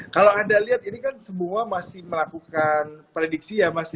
kalau anda lihat ini kan semua masih melakukan prediksi ya mas